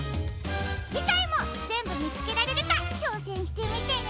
じかいもぜんぶみつけられるかちょうせんしてみてね！